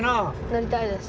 乗りたいです。